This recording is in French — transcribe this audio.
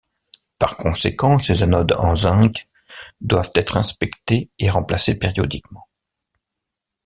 Par conséquent, ces anodes en zinc doivent être inspectées et remplacées périodiquement.